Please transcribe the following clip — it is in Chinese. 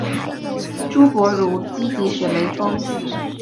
朱伯儒积极学雷锋。